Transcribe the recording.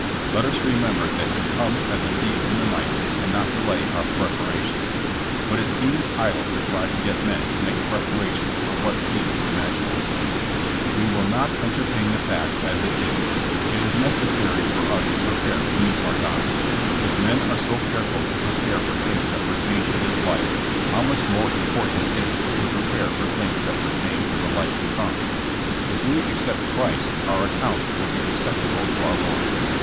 Let us remember that He comes as a thief in the night, and not delay our preparations. But it seems idle to try to get men to make preparation for what seems imaginary. OUTI^AWKD AND HUNTKD. 107 We will not entertain the fact as it is. It is nec essary for us to prepare to meet our God. If men are so careful to prepare for things that pertain to this life, how much more important is it to prepare for things that pertain to the life to come? If we accept Christ our account will be acceptable to our Lord.